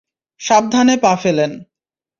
সাবধানে পা ফেলেন।